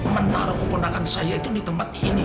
menaruh keponakan saya itu di tempat ini